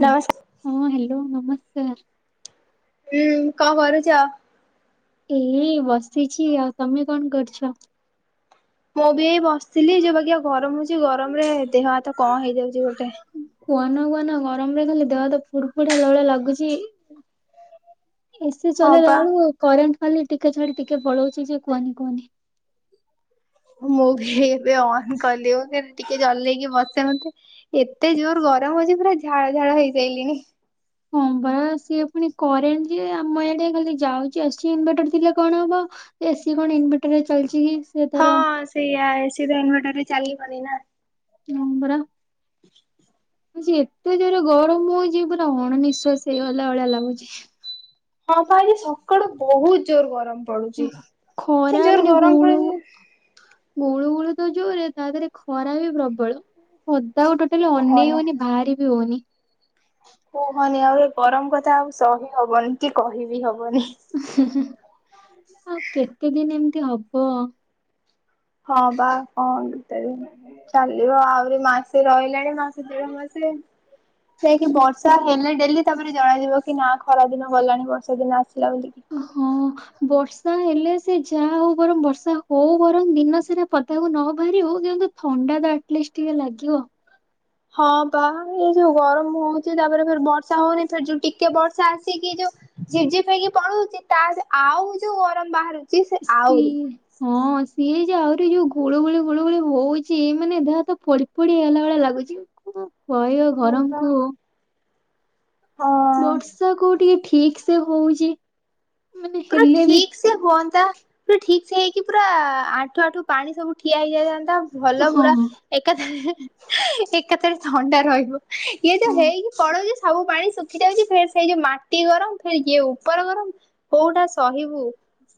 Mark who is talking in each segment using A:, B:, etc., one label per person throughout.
A: ନମସ୍କ
B: ହଁ ହାଲୋ, ନମସ୍କାର।
A: ହୁଁ, କଣ କରୁଚ?
B: ଏଇ ବସିଛି ଆଉ, ତମେ କଣ କରୁଛ?
A: ମୁଁ ବି ଏଇ ବସିଥିଲି, ଯୋଉ ବାଗିଆ ଗରମ ହଉଚି, ଗରମରେ ଦେହ ହାତ କଣ ହେଇଯାଉଚି ଗୋଟେ?
B: କୁହନା କୁହନା, ଗରମ ରେ ଖାଲି ଦେହ ହାତ ଫୁଡ୍ ଫୁଡି ହେଲା ଭଳିଆ ଲାଗୁଚି। ଏସିି
A: ହଁ
B: ଚଲେଇଲା
A: ପା
B: ବେଳୁ କରେଣ୍ଟ୍ ଖାଲି ଟିକେ ଛାଡି ଟିକେ ପଳଉଚି ଯେ, କୁହନି କୁହନି?
A: ମୁଁ ବି ଏବେ ଅନ୍ କଲି, ମୁଁ କହିଲି ଟିକେ ଚଲେଇକି ବ ଯାନ୍ତେ, ଏତେ ଜୋର୍ ଗରମ ହଉଚି, ପୁରା ଝାଳ ଝାଳ ହେଇସାଇଲିଣି।
B: ହଁ ପା, ସିଏ ପୁଣି କରେଣ୍ଟ୍ ଯେ, ଆମ ଏଆଡେ ଖାଲି ଯାଉଚି, ଆସୁଚି, ଇନଭଟର୍ ଥିଲେ କଣ ହବ? ଏସିି କଣ ଇନଭଟର୍ ରେ ଚାଲିଚି କି? ସେ ତାର
A: ହଁ ସେଇଆ, ଏସି ତ ଇନଭଟର୍ ରେ ଚାଲିବନି ନା?
B: ହଁ ବରା।
A: [unintelligible]
B: ଆଜି ଏତେ ଜୋରେ ଗରମ ହଉଚି, ପୁରା ଅଣ ନିିଶ୍ଵାସି ହେଇଗଲା ଭଳିଆ ଲାଗୁଚି।
A: ହଁ ପା ଆଜି ସକାଳୁ ବହୁତ୍ ଜୋରେ ଗରମ ପଡୁଚି, ଏତେ
B: ଖରା
A: ଜୋରେ
B: ମାନେ
A: ଗରମ୍
B: ଗୁଳୁ
A: ପଇ
B: ଗୁଳୁ ଗୁଳୁ ତ ଜୋରେ, ତା ଦେହରେ ଖରା ବି ପ୍ରବଳ, ପଦାକୁ ଟୋଟ୍ ମୁଁ କହିଲି ଅନେଇ
A: କୁହନି।
B: ହଉନି, ବାହାରି ବି ହଉନି।
A: କୁହନି ଆଉ ଏ ଗରମ କଥା, ଆଉ ସହି ହବନି, କି କହିବି ହବନି।
B: ଆଉ କେତେ ଦିନି ଏମିତି ହବ?
A: ହଁ ବା, କଣ କେତେ ଦିନି, ଚାଲିବ ଆହୁରି ମାସେ ରହିଲାଣି। ଏଇ ମାସେ, ଦେଢ ମାସେ, ଯାଇକି ବର୍ଷା ହେଲେ ଡେଲି, ତାପରେ ଜଣାଯିବ କି, ନା ଖରା ଦିନ ଗଲାଣି ବର୍ଷା ଦିନ ଆସିଲା ବୋଲିକି?
B: ହଁ ବର୍ଷା ହେଲେ ସେ ଯାହା ହଉ ବରଂ, ବର୍ଷା ହଉ ବରଂ, ଦିନ ସାରା ପଦାକୁ ନ ବାହାରି ହଉ କିନ୍ତୁ ଥଣ୍ଡା ତ ଆଟଲିଷ୍ଟ୍ ଟିକେ ଲାଗିବ।
A: ହଁ ପା, ଏ ଯୋଉ ଗରମ ହଉଚି, ତାପରେ ଫେରେ ବର୍ଷା ହଉନି, ଫେରେ ଯୋଉ ଟିକେ ବର୍ଷା ଆସିକି ଯୋଉ ଝିପ୍ ଝିପ୍ ହେଇକି ପଳଉଚି, ତା ଆଉ ଯୋଉ ଗରମ ବାହାରୁ
B: ଇସି ଇ ହଁ ସିଏ ଯେ ଆହୁରି ଯୋଉ ଗୁଳୁ ଗୁଳି ଗୁଳୁ ଗୁଳି ହଉଛି ମାନେ ଦେହ ହାତ ଫୋଡି ଫୋଡି ହେଲା ଭଳିଆ ଲାଗୁଛି। କଣ କହିବ
A: ହଁ ବା
B: ଗରମକୁ।
A: ହଁ।
B: ବର୍ଷା କୋଉ ଟିକେ ଠିକସେ ହୋଉଛି।
A: ପୁରା ଠିକ ସେ ହୁଅନ୍ତା ପୁରା ଠିକ ସେ ହେଇକି ପୁରା ଆଠ ଆଠ ପାଣି ସବୁ ଠିଆ ହେଇଯାଇଥାନ୍ତା ଭଲ
B: ହଁ
A: ପୁରା ଏକାଥରେ ଏକାଥରେ ଥଣ୍ଡା ରହିବ ଇଏ ଯୋଉ
B: ହଁ।
A: ହେଇକି ପଳାଉଛି ସବୁ ପାଣି ଶୁଖିଯାଉଛି ଫେର୍ ସେଇ ଯୋଉ ମାଟି ଗରମ ପୁଣି ଇଏ ଉପର ଗରମ କୋଉଟା ସହିବୁ।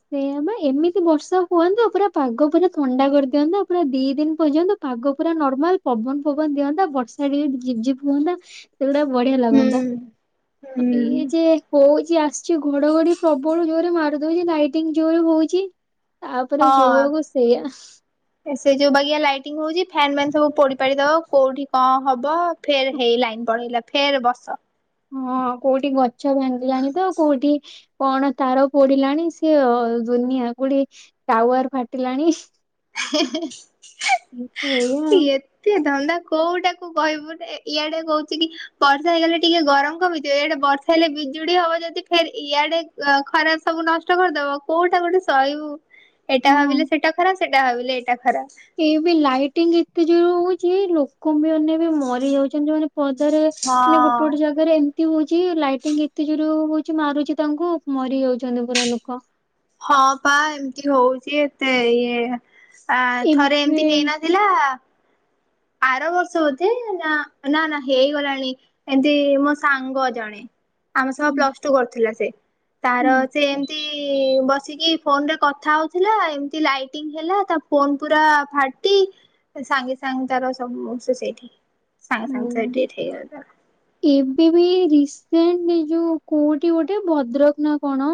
B: ସେଇଆ ପା ଏମିତି ବର୍ଷା ହୁଅନ୍ତା ପୁରା ପାଗ ପୁରା ଥଣ୍ଡା କରିଦିଅନ୍ତା ପୁରା ଦି ଦିନ ପର୍ଯ୍ୟନ୍ତ ପାଗ ପୁରା ନର୍ମାଲ ପବନ ଫବନ ଦିଅନ୍ତା ବର୍ଷା ଟିକେ ଝିପଝିପ୍ ହୁଅନ୍ତା ସେଗୁଡା ବଢିଆ
A: ହୁଁ
B: ଲାଗନ୍ତା।
A: ହୁଁ
B: ଇଏ ଯେ ହୋଉଛି ଆସୁଛି ଘଡଘଡି ପ୍ରବଳ ଜୋରେ ମାରୁ ଦଉଛି ଲାଇଟିଙ୍ଗ ଜୋରେ ହଉଛି। ତାପରେ ଯୋଉଆ କୁ ସେଇଆ।
A: ଏ ସେ ଯୋଉ ବାଗିଆ ଲାଇଟିଙ୍ଗ ହଉଛି ଫ୍ୟାନ ବାନ୍ ସବୁ ପୋଡି ପାଡିଦବ କୋଉଠି କଣ ହବ ଫେର୍ ହେଇ ଲାଇନ ପଳେଇଲା ଫେର୍ ବସ
B: ହଁ କୋଉଠି ଗଛ ଭାଙ୍ଗିଲାଣି ତ କୋଉଠି କଣ ତାର ପୋଡିଲାଣି ସେ ଅ ଦୁନିଆ କୋଉଠି ଟାୱାର ଫାଟିଲାଣି।
A: [unintelligible]
B: ଏ ତ ଏଇଆ ଆଉ।
A: ତେ ଧନ୍ଦା କୋଉଟାକୁ କହିବୁ ଇଆଡେ କହୁଛି କି ବର୍ଷା ହେଇଗଲେ ଟିକେ ଗରମ କମିଥିବ ଇଆଡେ ବର୍ଷା ହେଲେ ବିଜୁଳି ହବ ଯଦି ଫେର୍ ଇଆଡେ ଅ ଖରାରେ ସବୁ ନଷ୍ଟ କରିଦବ କୋଉଟା ଗୋଟେ ଶହିବୁ। ଏଇଟା
B: ହଁ।
A: ଭାବିଲେ ସେଟା ଖରାପ ସେଟା ଭାବିଲେ ଏଇଟା ଖରାପ।
B: ଏଇ ବି ଲାଇଟିଙ୍ଗ ଏତେ ଜୋରେ ହୋଉଛି ଲୋ କୁମ୍ଭିମାନେବି ମରି ଯାଉଛନ୍ତି। ଯୋଉମାନେ ପଦାରେ ମାନେ
A: ହଁ
B: ଗୋଟେ ଗୋଟେ ଜାଗା ଆରେ ଏମିତି ହଉଛି ଲାଇଟିଙ୍ଗ ଏତେ ଯୋର ହୋଉଛି ମାରୁଛି ତାଙ୍କୁ ମରି ଯାଉଛନ୍ତି ପୁରା ଲୋକ।
A: ହଁ ପା ଏମିତି ହଉଛି ଏତେ ଇଏ ଆ ଥରେ
B: ଏବେ
A: ଏମିତି ହେଇନଥୀ ଥିଲା। ଆର ବର୍ଷ ବୋଧେ ନା ନା ନା ହେଇଗଲାଣି ଏମତି ମୋ ସାଙ୍ଗ ଜଣେ। ଆମ ସହ
B: ହୁଁ
A: ପ୍ଲସଟୁ କରୁଥିଲା ସେ। ତାର
B: ହୁଁ
A: ସେ ଏମତି ବସିକି ଫୋନରେ କଥା ହୋଉଥିଲା ଏମତି ଲାଇଟିଂ ହେଲା ତା ଫୋନ ପୁରା ଫାଟି ସାଙ୍ଗେ ସାଙ୍ଗ ତାର ସବୁ ସେ ସେଇଠି ସାଙ୍ଗେ ସାଙ୍ଗେ ତାର
B: ହୁଁ।
A: ଡେଥ ହେଇଗଲା।
B: ଏବେ ବି ରିସେଣ୍ଟ ଏ ଯୋଉ କୋଉଠି ଗୋଟେ ଭଦ୍ରକ ନା କଣ।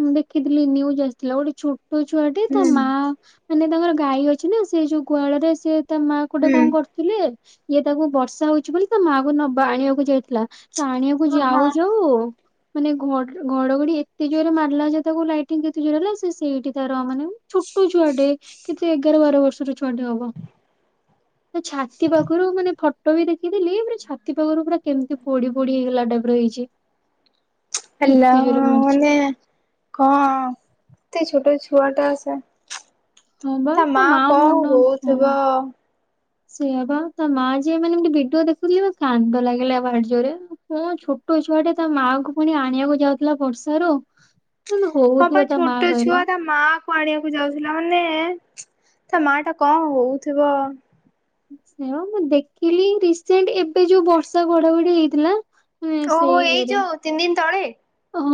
B: ମୁଁ ଦେଖିଥିଲି ନ୍ୟୁଜ୍ ଆସିଥିଲା ଗୋଟେ ଛୋଟ ଛୋଟ ଛୁଆଟି ତା
A: ହୁଁ।
B: ମା ମାନେ ତାଙ୍କର ଗାଈ ଅଛି ନା ସେ ଯୋଉ ଗୁହାଳରେ ସେ ତା ମା ଗୋଟେ
A: ହୁଁ
B: କଣ କରୁଥିଲେ ଇଏ ତାକୁ ବର୍ଷା ହୋଉଛି ବୋଲି ତା ମା କୁ ନବା ଆଣିବାକୁ ଯାଇଥିଲା। ଆଣିବାକୁ
A: ଓ ହଁ
B: ଯାଉ ଯାଉ ମାନେ ଘ ଘଡଘଡି ଏତେ ଜୋରରେ ମାରିଲା ଯେ ତାକୁ ଲାଇଟିଙ୍ଗ କେତେ ଜୋର ହେଲା ସେ ସେଇଠି ତାର ମାନେ ଛୋଟ ଛୁଆଟେ କେତେ ଏଗାର ବାର ବର୍ଷର ଛୁଆଟେ ହବ। ତା ଛାତି ପାଖରୁ ମାନେ ଫଟୋ ବି ଦେଖିଥିଲି ପୁରା ଛାତି ପାଖରୁ ପୁରା କେମିତି ପୋଡି ପୋଡି ହେଇଗଲା ଟାଇପର ହେଇଛି।
A: ହେଲା
B: ଏତେ ଜୋରେ ମାରିଛି
A: ମାନେ କଣ ଏତେ ଛୋଟ ଛୁଆଟା ସେ
B: ହଁ ବା
A: ତା ମା କଣ
B: ମନ ହଁ।
A: ହଉଥିବ।
B: ସେଇଆ ବା ତା ମା ଯିଏ ମାନେ ଭିଡିଓ ଦେଖୁଥିଲେ କାନ୍ଦ ଲାଗିଲା ଭାରି ଜୋରରେ। ହଁ ଛୋଟ ଛୁଆଟେ ତା ମାଆଙ୍କୁ ପୁଣି ଆଣିବାକୁ ଯାଉଥିଲା ବର୍ଷାରୁ। କିନ୍ତୁ
A: ହଁ ବା
B: ହଉଥିବ ତା ମା
A: ଛୋଟ ଛୁଆ
B: କହିଲ।
A: ତା ମା କୁ ଆଣିବାକୁ ଯାଉଥିଲା ମାନେ ତା ମା ଟା କଣ ହଉଥିବ।
B: ସେ ମୁଁ ଦେଖିଲି ରିସେଣ୍ଟ ଏବେ ଯୋଉ ବର୍ଷା ଘଡାଘଡି ହେଇଥିଲା। ହଁ
A: ଓହୋ ଏଇ
B: ସେଇରେ।
A: ଯୋଉ ତିନି ଦିନ ତଳେ।
B: ହଁ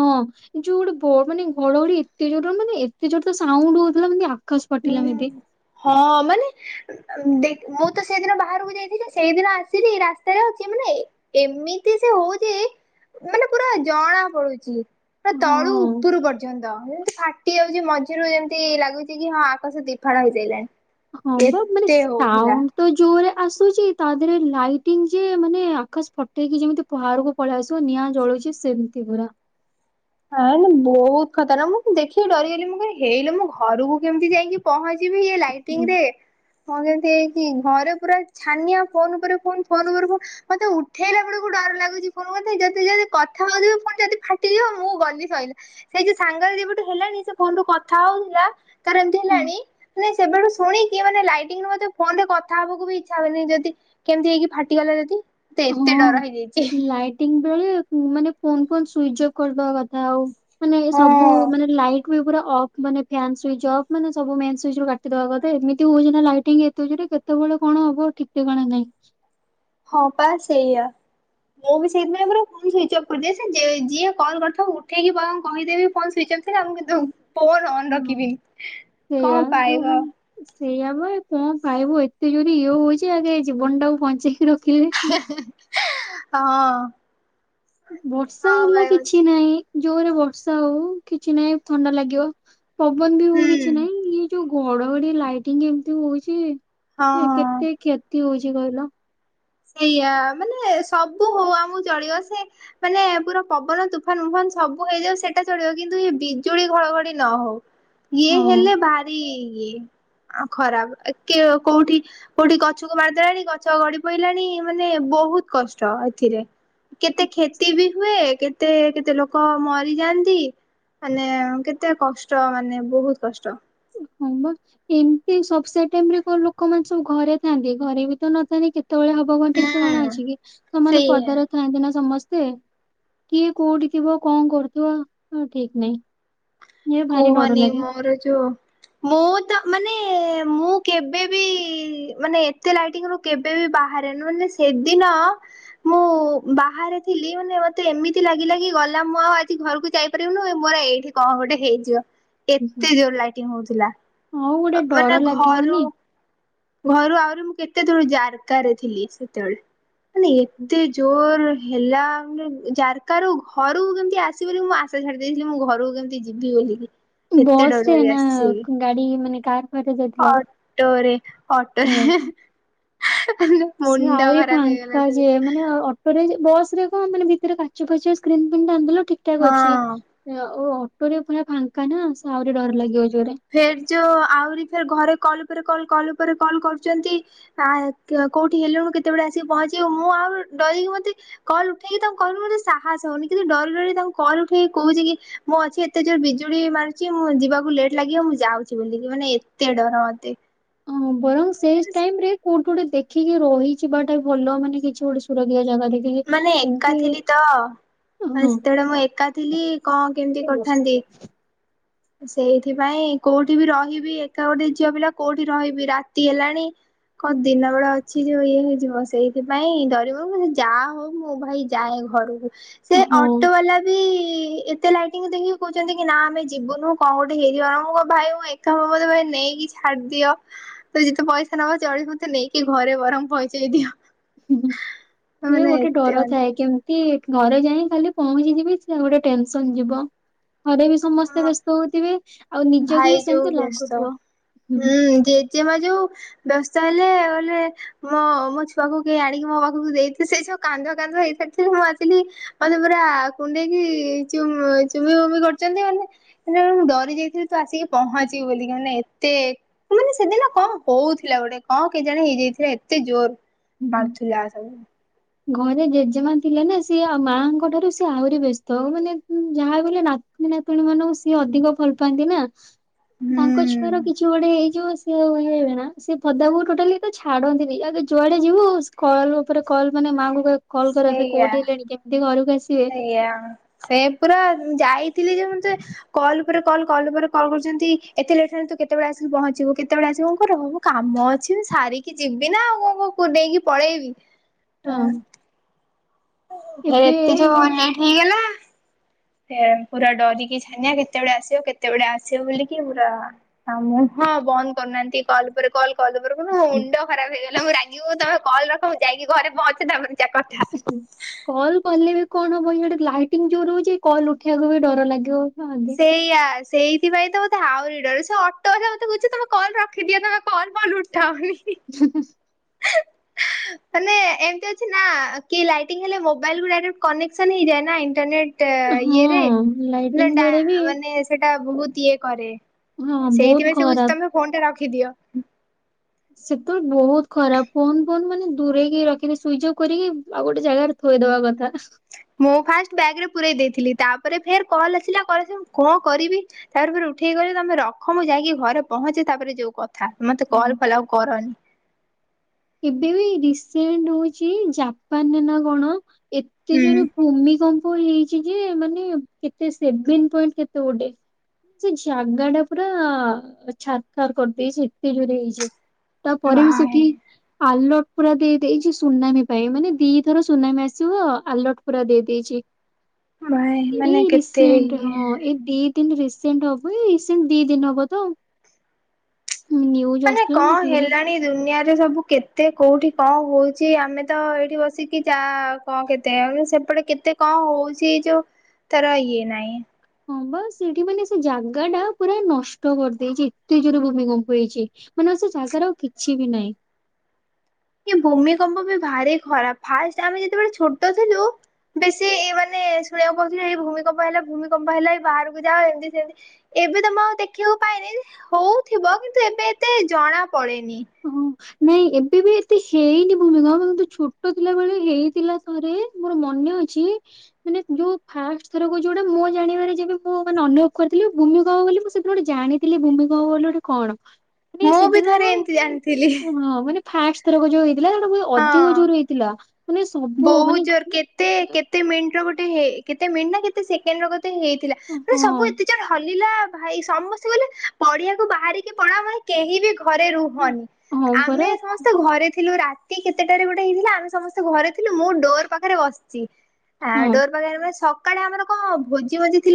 B: ଯୋଉ ଗୋଟେ ବ ମାନେ ଘଡଘଡି ଏତେ ଜୋର ମାନେ ଏତେ ଜୋର ତ ସାଉଣ୍ଡ ହଉଥିଲା ମ
A: ହଁ ହଁ ମାନେ। ଦେଖ ମୁଁ ତ ସେଇଦିନ ବାହାରକୁ ଯାଇଥିଲି ସେଇଦିନ ଆସିଲି ରାସ୍ତାରେ ଅଛି ମାନେ। ଏମିତି ସେ ହଉଛି ମାନେ ପୁରା ଜଣା ପଡୁଛି। ନା ତଳୁ
B: ହଁ
A: ଉପରୁ ପର୍ଯ୍ୟନ୍ତ ଯେମତି ଫାଟି ଯାଉଛି ମଝିରୁ ଯେମିତି ଲାଗୁଛି। ହଁ ଆକାଶ ଦି ଫାଳ ହେଇଯାଇଲାଣି।
B: ହଁ ବା ମାନେ ସାଉଣ୍ଡ। ତ ଜୋରେ ଆସୁଛି ତା ଦେହରେ ଲାଇଟିଙ୍ଗ ଯେ ମାନେ ଆକାଶ ଫଟେଇକି ଯେମତି। ବାହାରକୁ ପଳେଇ ଆସିବ ନିଆଁ ଜଳୁଛି ସେମିତି ପୁରା।
A: ହ ବହୁତ ଖର୍ତନାକ ମୁଁ ଦେଖିକି ଡରିଗଲି ମୁଁ କ ହେଇଲୋ ମୁଁ ଘରକୁ କେମିତି ଯାଇକି। ପହଞ୍ଚିବି ଇ
B: ହୁଁ
A: ଲାଇଟିଙ୍ଗ ରେ କଣ କେମତି। କି ଘରେ ପୁରା ଛାନିଆ ଫୋନ ଉପରେ କୁ ଫୋନ ଉପରେ। ମତେ ଉଠେଇଲା ବେଳକୁ ଡର ଲାଗୁଛି କଣ କହନ୍ତି ଯଦି ଯଦି କଥା ହଉଥିବି ଫୁଣି ଯଦି ଫାଟିଯିବ। ମୁଁ ଗଲି ସଇଲା ସେଇ ଯୋ ସାଙ୍ଗରେ ଯେବେଠୁ ହେଲାଣି ସେ ଫୋନ ରୁ କଥା ହଉଥିଲା ତାର ଏମିତି
B: ହଁ।
A: ହେଲାଣି। ମାନେ ସେବେଠୁ ଶୁଣିକି ମାନେ ଲାଇଟିଙ୍ଗ ଫୋନ କଥା ହବାକୁ ବି ଇଚ୍ଛା ହୁଏନି ଯଦି। କେମିତି ହେଇକି ଫାଟିଗଲା ଯଦି। ମତେ
B: ହଁ
A: ଏତେ ଡର ହେଇଯାଇଛି
B: ଲାଇଟିଂ ବେଳେ ମାନେ ଫୋନ୍ ଫୋନ୍ ସୁଇଚ ଅଫ୍ କରିବା କଥା ଆଉ। ମାନେ
A: ହଁ
B: ସବୁ ମାନେ ଲାଇଟ୍। ପୁରା ଅଫ ମାନେ ଫାନ୍ ସୁଇଚ ଅଫ ମାନେ ସବୁ ମେନ୍ ସୁଇଚରୁ କାଟିଦବା କଥା ଏମିତି ହଉଛି ନା ଲାଇଟିଙ୍ଗ ଏତେ ଜୋରେ କେ କେତେବେଳେ କଣ ହବ ଠିକ୍ ଠିକଣା ନାଁଇ।
A: ହଁ ପା ସେଇଆ। ମୁଁ ବି ସେଇଥିପାଇଁ ପୂରା ଫୋନ୍ ସୁଇଚ୍ଚଅଫ୍ କରିଦେଇଚି ଯିଏ କଲ୍ କରିଥାଉ ଉଠେଇକି କହିଦେବି ଫୋନ ସୁଇଚ ଅ ମୁଁ କିନ୍ତୁ ଫୋନ୍ ଅନ
B: ହଁ
A: ରଖିନି କଣ ପାଇବ।
B: ସେଇଆବା କଣ ପାଇବୁ ଏତେ ଜୋରି ଇଏ ହଉଛି ଆଗେ ଜୀବନ ଟାକୁ ବଞ୍ଚେଇକି ରଖିଲେ। ହେଲା।
A: ହଁ।
B: ବର୍ଷା
A: କଣ
B: ହେଲା
A: ପାଇବ
B: କିଛି ନାହିଁ ଜୋରେ ବର୍ଷା ହଉ କିଛି ନାହିଁ ଥଣ୍ଡା ଲାଗିବ। ପବନ ବି ହଉ
A: ହୁଁ
B: କିଛି ନାଇଁ ଇଏ ଯୋଉ ଘଡଘଡି ଲାଇଟିଙ୍ଗ ଏମିତି ହଉଛି
A: ହଁ
B: କେ
A: ହଁ।
B: କେତେ କ୍ଷତି ହଉଛି କହିଲ।
A: ସେଇଆା ମାନେ ସବୁ ହଉ ଆମକୁ ଚଳିବ ସେ ମାନେ ପୁରା ପବନ ତୁଫାନ ଉୁଫାନ ସବୁ ହେଇଯାଉ ସେଇଟା ଚଳିବ କିନ୍ତୁ ଏ ବିଜୁଳି ଘଡଘଡି ନ ହଉ। ଇଏ
B: ହଁ
A: ହେଲେ ଭାରି ଇଏ। ଖରାପ କୋଉଠି କୋଉଠି ଗଛ କୁ ମାରିଦେଲାଣି ଗଛ ଗଡି ପାଇଲାଣି ମାନେ ବହୁତ କଷ୍ଟ ଏଥିରେ। କେତେ କ୍ଷତି ବି ହୁଏ କେତେ କେତେ ଲୋକ ମରିଯାଆନ୍ତି। ମାନେ କେତେ କଷ୍ଟ ମାନେ ବହୁତ କଷ୍ଟ।
B: ହଁ ବା। ଏମତି ସବୁ ସେଇଟାଇମ୍ ରେ କଣ ଲୋକମାନେ ସବୁ ଘରେ ଥାନ୍ତି ଘରେ ବି ତ ନଥାନ୍ତି କେତେବେଳେ ହ ବ ଠିକ ଠିକଣା
A: ହୁଁ
B: ଅଛି କି ସେମାନେ
A: ସେଇଆ।
B: ପଦାରେ। ଥାନ୍ତି ନା ସମସ୍ତେ କିଏ କୋଉଠି ଥିବ କଣ କରୁଥିବ ହଁ ଠିକ ନାଇଁ। ଇଏ ଭାରି ଡର ଲାଗେ।
A: ମୋରୋ ଯୋଉ ମୁଁ ତ ମାନେ ମୁଁ କେବେବି ମାନେ ଏତେ ଲାଇଟିଂରୁୁ କେବେବି ବାହାରେନି ମାନେ ସେଦିନ ମୁଁ ବାହାରେ ଥିଲି ମାନେ ମତେ ଏମିତି ଲାଗିଲା କି ଗଲା ମୁଁ ଆଉ ଆଜି ଘରକୁ ଯାଇ ପାରିବିନି ମୋର ଏଇଠି କଣ ଗୋଟେ ହେଇଯିବ। ଏତେ ଜୋରେ ଲାଇଟିଂ ହୋଉଥିଲା
B: ଆଉ ଗୋଟେ
A: ମାନେ
B: ଡର
A: ଘରୁ
B: ଲାଗିବନି
A: ଘରୁ ଆହୁରି ମୁଁ କେତେ ଦୂର ଜାର୍କାରେ ଥିଲି ସେତେବେଳେ ମାନେ ଏତେ ଜୋର ହେଲା ମାନେ ଜାର୍କାରୁ ଘରକୁ କେମିତି ଆସିବି ବୋଲି ମୁଁ ଆଶା ଛାଡି ଦେଇଥିଲି ମୁଁ ଘରକୁ କେମିତିଯି ଯିବି ବୋଲିିକି।
B: ବସରେ ନା ଗାଡି ମାନେ କାର୍?
A: ଅଟୋରେ
B: ଓ
A: ଅଟୋରେ।
B: ସିଏ
A: ମୁଣ୍ଡ
B: ଆହୁରି
A: ଖରାପ ହେଇଗଲା
B: ଫାଙ୍କା
A: ସବୁ
B: ଯିଏ ମାନେ [unintelligible] ବସ ରେ କଣ ମାନେ ଭିତରେ କାଚ ଫାଚ ସ୍କ୍ରିନ୍ ଫିଁନ୍ ଟାନିଦେଲ ଠିକ ଠାକ୍ ଅଛି।
A: ହଁ।
B: ଆଉ ଅଟୋରେ ପୁରା ଫାଙ୍କା ନା ସେ ଆହୁରି ଡର ଲାଗିବ ଜୋରେ।
A: ଫେର୍ ଯୋଉ ଆହୁରି ଫେର୍ ଘରେ କଲ ଉପରେ କଲ କଲ ଉପରେ କଲ୍ କରୁଚନ୍ତି। ଆ କୋଉଠି ହେଲୁଣୁ କେତେବେଳେ ଆସିକି ପହଞ୍ଚିବୁ ମୁଁ ଆଉ ଡରିକି ମତେ କଲ୍ ଉଠେଇକି ତାଙ୍କୁ କହିବାକୁ ମତେ ସାହସ ହୋ ଉନି କିନ୍ତୁ ଡରି ଡରି ତାଙ୍କ କଲ୍ ଉଠେଇକି କୋହୁଚି କି ମୁଁ ଅଛି ଏତେ ଜୋରେ ବିଜୁଳି ମାରୁଚି ମୁଁ ଯିବାକୁ ଲେଟ ଲାଗିବ ମୁଁ ଯାଉଚି ବୋଲିକି ମାନେ ଏତେ ଡର ମତେ।
B: ହଁ ପରା ସେଇସ୍ ଟାଇମରେ କୋଉଠି ଗୋଟେ ଦେଖ ଦେଖିକି ରହିଯିବାଟା ଭଲ ମାନେ କିଛି ଗୋଟେ ସୁରକ୍ଷୀଆ ଜାଗା ଦେଖୀ।
A: ମାନେ ଏକା ଥିଲି ତ ମାନେ ସେତେବେଳେ ମୁଁ ଏକା ଥିଲି କଣ କେମିତି କରିଥାନ୍ତି। ସେଇଥିପାଇଁ କୋଉଠି ବି ରହିବି ଏକା ଗୋଟେ ଝିଅ ପିଲା କୋଉଠି ରହିବି ରାତି ହେଲାଣି। କଣ ଦିନ ବେଳ ଅଛି ଯୋଉ ଇଏ ହେଇଯିବ ସେଇଥିପାଇଁ ଡରିବୁ ଯାହା ହୋଉ ମୁଁ ଭାଇ ଯାଏ ଘରକୁ ସେ
B: ହଁ
A: ଅଟୋ
B: ହଁ
A: ବାଲା ବି ଏତେ ଲାଇଟିଙ୍ଗ ଦେଖିକି କୋହୁଚନ୍ତି କି ନା ଆମେ ଯିବୁନୁ କଣ ଗୋଟିଏ ହେଇଯିବ ନା ମୁଁ ଏକା ଭାଇ ଏକା ମତେ ଭାଇ ନେଇକି ଛାଡିଦିଅ। ତ ଯେତେ ପଇସା ନବ ଚଳିବ ମତେ ନେଇକି ଘରେ ବରମ୍ ପହଞ୍ଚେଇ ଦିଅ।
B: ହୁଁ ଇଏ
A: ମାନେ
B: ଗୋଟେ
A: ଏତେ
B: ଡର
A: ଅଣ୍ଟା
B: ଥାଏ କେମତି ସେଟିଘରେ ଯାଇଁ ଖାଲି ପହଞ୍ଚି ଯିବି ସେ ଗୋଟେ ଟେନସନ ଯିବ। ଘରେ ବି ସମସ୍ତେ
A: ହଁ
B: ବ୍ୟସ୍ତ ହୋଉଥିବେ।
A: ଭାଇ ଯୋଉ ବସ୍ତ ହୁଁ ଜେଜେମା ଯୋଉ ବ୍ୟସ୍ତ ହେଲେ ଗଲେ। ମୋ ମୋ ଛୁଆ କୁ କେହି ଆଣିକି ମୋ ପାଖକୁ ଦେଇଦିଅ ସେ ଯୋଉ କାନ୍ଦ କାନ୍ଦ ହେଇସାରିି ଥିଲେ ମୁଁ ଆସିଲି। ମାନେ ପୁରା କୁଣ୍ଡେଇକି ଚ ଚୁମି ବୁମି କରୁଚନ୍ତି ମାନେ [unintelligible] ମୁଁ ଡରି ଯାଇଥିଲି ତୁ ଆସିକି ପହଞ୍ଚିବି ବୋଲିକି ମାନେ ଏତେ ମାନେ ସେଦିନ କଣ ହୋଉଥିଲା ଗୋଟେ କଣ କେ ଜାଣି ହେଇଯାଇଥିଲା ଏତେ ଜୋର
B: ହୁଁ
A: ମାରୁଥିଲା ସବୁ।
B: ଘରେ ଜେଜେମା ଥିଲେ ନା ସିଏ ଆଉ ମାଙ୍କ ଠାରୁ ସିଏ ଆହୁରି ବ୍ୟସ୍ତ ହ ମାନେ ହୁଁ ଯାହାବି ହେଲେ ନାତୀ ନାତୁଣୀ ମାନଙ୍କୁ ସିଏ ଅଧିକ ଭଲ ପାଆନ୍ତି ନା। ତାଙ୍କ ଛୁଆର
A: ହୁଁ
B: କିଛି ଗୋଡେ ହେଇଯିବସେ ସେ [unintelligible] ନା ସେ ପଦାକୁ ଟୋଟାଲି ତ ଛାଡନ୍ତିନି ଆଗେ ଜୁଆଡେ ଯିବୁ କଲ୍ ଉପରେ କଲ୍ ମାନେ ମାଙ୍କୁ କହିବେ କଲ୍ କର ସେ
A: ସେଇଆ।
B: କୋଉଠି ହେଲେଣି କେମିତି ଘରକୁ ଆସ
A: ସେଇଆ ସେ ପୁରା ଯାଇଥିଲି ଯେ ମୁଁ ଜେ କଲ୍ ଉପରେ କଲ୍ କଲ୍ ଉପରେ କଲକରୁଚନ୍ତି ଏତେ ଲେଟ ହେଲାଣି ତୁ କେତେବେଳେ ଆସିକି ପହଞ୍ଚିବୁ କେତେବେଳେ ଆସିବୁ ମୁଁ କହିଲି ରହମ। କାମ ଅଛି ମୁ ସାରିକି ଯିବି ନା ଆଉ ମୁଁ -ମୁଁ ନେଇକି ପଳେଇବି।
B: ହଁ।
A: ତୋର ଏତେଯୋ
B: ଏବେ
A: ଲେଟ୍ ହେଇଗଲା। ଏଁ ପୁରା ଡରିକି ଛାନିଆ କେତେବେଳେ ଆସିବ କେତେବେଳେ ଆସିବ ବୋଲିକି ପୁରା ହଁ ମୁଁ ହଁ ଫ ବନ୍ଦ୍ କରୁନାହାନ୍ତି କଲ ଉପରେ କଲ ଉପରେ କଲ୍ ମୋ ମୁଣ୍ଡ ଖରାପ ହେଇଗଲା। ମୁଁ ରାଗିକି ତମେ କଲ ରଖ ମୁଁ ଯାଇକି ଘରେ ପହଞ୍ଚେ ତାପରେ ଯାହା କଥା ହବା।
B: ଉ ହୁଁ। କଲ୍ କଲେ ବି କଣ ହବ ଇଏ ଗୋଟେ ଲାଇଟିଙ୍ଗ୍ ଯୋରେ ହଉଚି କଲ ଉଠେଇବାକୁ ବି ଡର ଲାଗିବ।
A: ସେଇୟା ସେଇଥିପାଇଁ ତ ମତେ ଆହୁରି ଡର। ସେ ଅଟୋ ବାଲା ମତେ କହୁଚି ତମେ କଲ ରଖିଦିଅ ତମେ କଲ ବଲ ଉଠାଅନି।
B: ହୁଁ ହୁଁ।
A: ମାନେ ଏମତି ଅଛି ନା କି ଲାଇଟିଂ ହେଲେ ମୋବାଇଲ ରୁ ଡାଇରେକ୍ଟ କନେକ୍ସନ ହେଇଯାଏ ନା ଇଣ୍ଟରନେଟ୍। ଟା
B: ହଁ
A: ଇଏରେ ନା
B: ଲାଇଟିଂ
A: ଡା
B: ବେଳେ ବି
A: ମାନେ ସେଟା ବହୁତ ଇଏ କରେ।
B: ହଁ ବହୁତ
A: ସେଇଥିପାଇଁ ସେ କହୁଚି
B: ଖରାପ।
A: ତମେ ଫୋନ୍ ଟା ରଖିଦିଅ।
B: ସେତେବେଳେ ବହୁତ ଖରା ଫୋନ୍ ଫୋନ୍ ମାନେ ଦୂରେଇକି ରଖିକି ସୁଇଚ କରିକି ଆଉ ଗୋଟେ ଜାଗାରେ ଥୋଇଦବା କଥା।
A: ମୁଁ ଫାଷ୍ଟ୍ ବ୍ୟାଗରେ ପୁରେଇ ଦେଇଥିଲି ତାପରେ ଫେର୍ କଲ୍ ଆସିଲା କ ଆସଲା ମୁଁ କଲି କଁ କରିବି। ତାପରେ ଫେରେ ଉଠେଇକି କଲି ତମେ ରଖ ମୁଁ ଯାଇକି ଘରେ ପହଞ୍ଚେ ତାପରେ ଯୋଉ କଥା। ଆ ମତେ କଲ ଫଲ ଆଉ କରନି।
B: ଏବେ ବି ରିସେଣ୍ଟ ହଉଚି ଜାପାନରେ ନା କଣ ଏତେ
A: ହୁଁ
B: ଯୋରେ ଭୂମିକମ୍ପ ହେଇଚି ଯେ ମାନେ କେତେ ସେଭେନ୍ ପଏଣ୍ଟ୍ କେତେ ଗୋଟେ। ସେ ଜାଗା ଟା ପୁରା ଛାରଖାର କରିଦେଇଚି ଏତେ ଯୋରେ ହେଇଚି। ତାପରେ ବି ସେଠି
A: ଭାଇ।
B: ଆଲର୍ଟ ପୁରା ଦେଇ ଦେଇଚି ସୁନାମୀ ପାଇଁ ମାନେ ଦିଥର ସୁନାମି ଆସିବ ଆଲର୍ଟ ପୁରା ଦେଇ ଦେଇଚି।
A: ଭାଇ ମାନେ
B: ଏଇ
A: କେତେ
B: ରିସେଣ୍ଟ
A: ଇଏ
B: ହଁ ଏଇ ଦି ଦିନ୍ ରିସେଣ୍ଟ ହବ ଏଇ ରିସେଣ୍ଟ ଦି ଦିନ ହବ ତ ଆଉ। ନ୍ୟୁ
A: ମାନେ କଁ ହେଲାଣି ଏ ଦୁନିଆରେ ସବୁ କେତେ କୋଉଠି କଣ ହଉଚି ଆମେ ତ ଏଇଠି ବସିକି ଯା କଣ କେତେ ଯାଉଚି ସେପଟେ କେତେ କଣ ହଉଚି ଯୋଉ ଥର ଇଏ ନାଇଁ।
B: ହଁ ବା ସେଇଠି ମାନେ ସେ ଜାଗାଟା ପୁରା ନଷ୍ଟ କରିଦେଇଚି ଏତେ ଜୋରରେ ଭୂମିକମ୍ପ ହେଇଚି। ମାନେ ସେ ଜାଗାରେ ଆଉ କିଛି ବି ନାଇଁ।
A: ଇଏ ଭୂମିକମ୍ପ ବି ଭାରି ଖରାପ୍। ଫାଷ୍ଟ୍ ଆମେ ଯେତେବେଳେ ଛୋଟ ଥିଲୁ ବେଶୀ ଏ ମାନେ ଶୁଣିବାକୁ ପାଉଥିଲି ଏଇ ଭୂମିକମ୍ପ ହେଲା ଭୂମିକମ୍ପ ହେଲାଣି ବାହାରକୁ ଯାଅ ଏମିତି ସେମତି। ଏବେ ତ ମୁଁ ଆଉ ଦେଖିବାକୁ ପାଇନି, ହଉଥିବ କିନ୍ତୁ ଏବେ ଏତେ ଜଣା ପଡେନି।
B: ହଁ ନାଇଁ ଏବେ ବି ଏତେ ହେଇନି ଭୂମିକମ୍ପ କିନ୍ତୁ ଛୋଟ ଥିଲା ବେଳେ ହେଇଥିଲା ଥରେ। ମୋର ମନେ ଅଛି ମାନେ ଯୋଉ ଫାଷ୍ଟ ଥରକୁ ଯୋଉଟା ମୋ ଜାଣିବାରେ ଯେ ମୁଁ ମାନେ ଅନୁଭବ କରିଥିଲି ଭୂମିକମ୍ପ ବୋଲି ମୁଁ ସେଦିନ ଗୋଟେ ଜାଣିଥିଲି। ଥିଲ ଭୂମିକମ ବୋଲି ଗୋଟେ କଣ। ମାନେ
A: ମୁଁ ବି
B: ସେଦିନ
A: ଥରେ ଏମିତି ଜାଣିଥିଲି।
B: ହଁ ମାନେ ଫାଷ୍ଟ୍ ଥରକ ଯୋଉ ହେଇଥିଲା ସେଟା ବି ଅଧିକ ଯୋରରେ ହେଇଥିଲା। ମାନେ ସବୁ
A: ବହୁତ୍
B: ମାନେ
A: ଜୋର୍ କେତେ କେତେ ମିନିଟ ର ଗୋଟେ କେତେ ମିନିଟ୍ ନା କେତେ ସେକେଣ୍ଡ ର ଗୋଟେ ହେଇଥିଲା। ମାନେ ସବୁ
B: ହଁ
A: ଏତେ ଯୋରେ ହଲିଲା ଭାଇ ସମସ୍ତେ କହିଲେ ପଡିଆକୁ ବାହାରିକି ପଳାଅ ମାନେ କେହି ବି ଘରେ ରୁହନି
B: ହଁ
A: ଆମେ
B: ପରା
A: ସମସ୍ତେ ଘରେ ଥିଲୁ ରାତି କେତେଟାରେ ଗୋଟେ ହେଇଥିଲା ଆମେ ସମସ୍ତେ ଘରେ ଥିଲୁ। ଥିଲୁ। ମୁଁ ଡୋର୍ ପାଖେରେ ବସିଚି। ହାଁ
B: ହଁ।
A: ଡୋର୍ ପାଖରେ ନା ସକାଳେ ଆମର କଣ ଭୋଜି ଭୋଜିଥିଲା